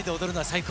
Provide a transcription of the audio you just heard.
最高？